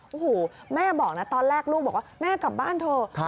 โอ้โหแม่บอกนะตอนแรกลูกบอกว่าแม่กลับบ้านเถอะ